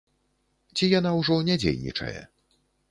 Ці яна ўжо не дзейнічае?